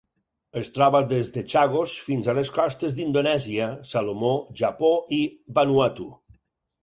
Es troba des de Chagos fins a les costes d'Indonèsia, Salomó, Japó i Vanuatu.